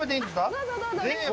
どうぞ、どうぞ。